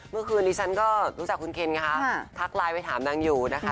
เมื่อคืนนี้ฉันก็รู้จักคุณเคนไงคะทักไลน์ไปถามนางอยู่นะคะ